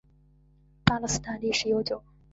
巴勒斯坦历史悠久。